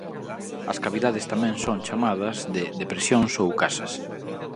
As cavidades tamén son chamadas de "depresións" ou "casas".